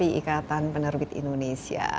ikatan penerbit indonesia